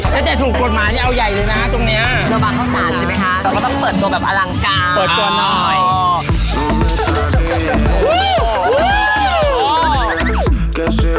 ถ้าเจ๊ถูกกดหมานี่เอาใหญ่ดูนะตรงเนี้ย